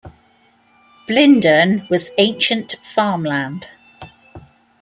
Blindern was ancient farmland.